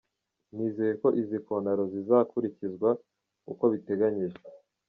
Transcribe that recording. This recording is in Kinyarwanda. "Nizeye ko izi kontaro zizakurikizwa uko biteganyijwe.